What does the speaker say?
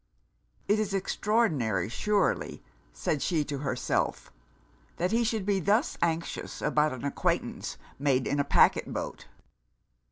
It is extraordinary surely, said she to herself, that he should be thus anxious about an acquaintance made in a pacquet boat.